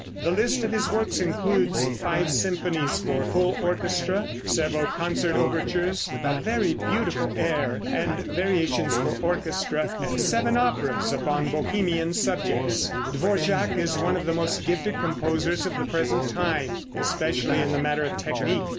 The list of his works includes five symphonies for full orchestra, several concert overtures, a very beautiful air and variations for orchestra, and seven operas upon Bohemian subjects. Dvorak is one of the most gifted composers of the present time, especially in the matter of technique.